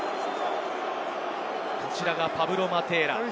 こちらがパブロ・マテーラ。